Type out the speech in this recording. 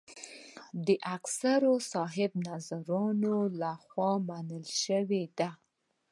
د اکثرو صاحب نظرانو له خوا منل شوې ده.